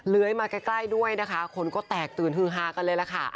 มาใกล้ด้วยนะคะคนก็แตกตื่นฮือฮากันเลยล่ะค่ะ